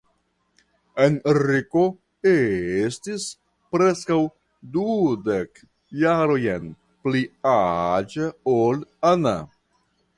Henriko estis preskaŭ dudek jarojn pli aĝa ol Anna.